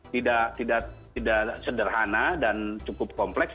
tidak sederhana dan cukup kompleks